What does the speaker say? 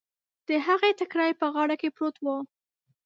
د هغې ټکری په غاړه کې پروت و.